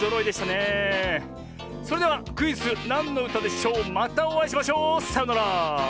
それではクイズ「なんのうたでしょう」またおあいしましょう。さようなら！